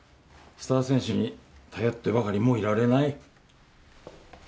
スター選手に頼ってばかりもいられない。